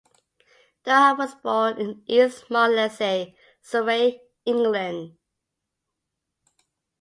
Durham was born in East Molesey, Surrey, England.